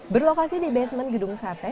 berlokasi di basement gedung sate